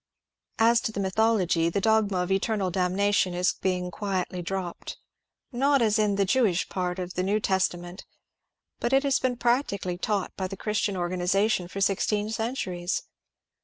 As to tlie mythology, the dogma of eternal damnation is being quietly dropped, as not in the Jewish part of the New Testament ; but it has been practically taught by the Chris tian organization for sixteen centuries.